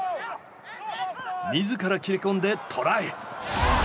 自ら切れ込んでトライ。